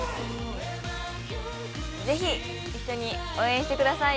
ぜひ、一緒に応援してください。